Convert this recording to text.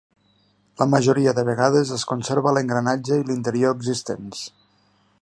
La majoria de vegades es conserva l'engranatge i l'interior existents.